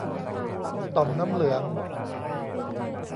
ต่อมน้ำเหลือง